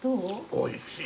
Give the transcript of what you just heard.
おいしい！